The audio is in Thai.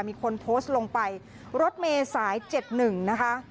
มีคนโพสต์ลงไปรถเมย์สาย๗๑นะคะ